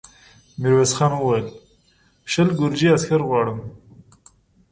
ميرويس خان وويل: شل ګرجي عسکر غواړم.